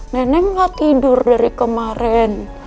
nenek gak tidur dari kemarin